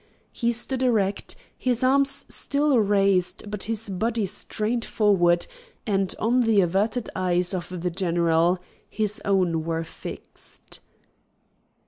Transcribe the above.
He stood erect, his arms still raised, but his body strained forward, and on the averted eyes of the general his own were fixed.